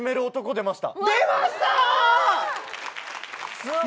出ました！